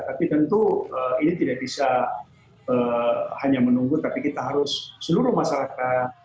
tapi tentu ini tidak bisa hanya menunggu tapi kita harus seluruh masyarakat